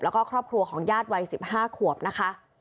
แล้วก็ครอบครัวของญาติวัย๑๕ขวบนะคะ